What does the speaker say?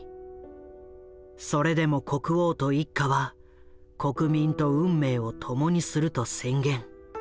それでも国王と一家は国民と運命を共にすると宣言。